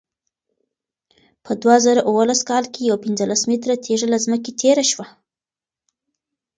په دوه زره اوولس کال کې یوه پنځلس متره تېږه له ځمکې تېره شوه.